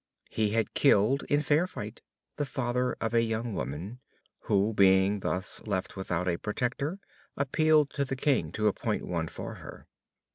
He had killed in fair fight the father of a young woman, who being thus left without a protector appealed to the king to appoint one for her.